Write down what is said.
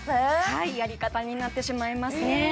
はいやり方になってしまいますね